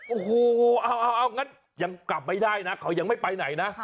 โอ้โหเอางั้นยังกลับไม่ได้นะเขายังไม่ไปไหนนะ